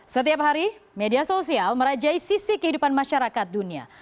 setiap hari media sosial merajai sisi kehidupan masyarakat dunia